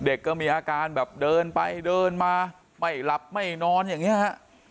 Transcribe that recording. เด็กก็มีอาการแบบเดินไปเดินมาไม่หลับไม่นอนอย่างนี้ฮะ